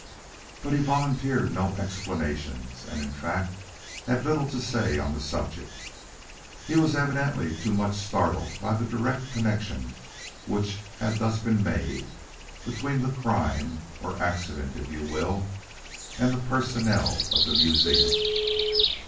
But he volunteered no explanations and in fact had little to say on the subject. He was evidently too much startled by the direct connection which had thus been made between the crime (or accident, if you will) and the personnel of the museum."